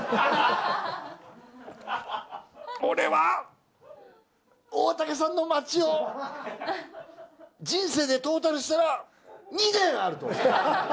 俺は大竹さんの待ちを人生でトータルしたら２年あると思う！